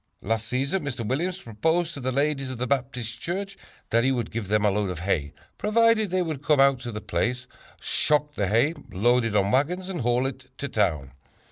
"Last season Mr. Williams proposed to the ladies of the Baptist church that he would give them a load of hay, provided they would come out to the place, shock the hay, load it on wagons and haul it to town.